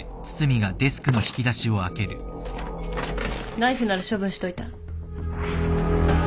ナイフなら処分しといた。